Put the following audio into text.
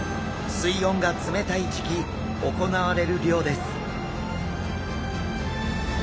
水温が冷たい時期行われる漁です。